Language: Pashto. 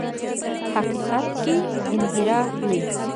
حقیقت کې انحراف وي.